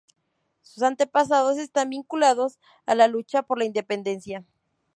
Sus antepasados están vinculados a la lucha por la independencia.